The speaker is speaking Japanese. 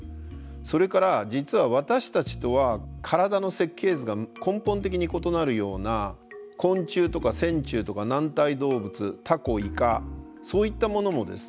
それから実は私たちとは体の設計図が根本的に異なるような昆虫とか線虫とか軟体動物タコイカそういったものもですね